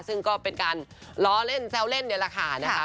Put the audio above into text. ซึ่งก็เป็นการล้อเล่นแซวเล่นนี่แหละค่ะนะคะ